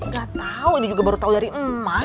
gak tau ini juga baru tahu dari emak